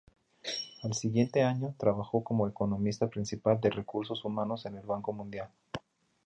Al siguiente año, trabajó como Economista principal de Recursos Humanos en el Banco Mundial.